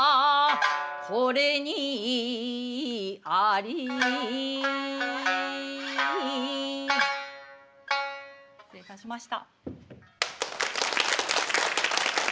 これにあり失礼いたしました。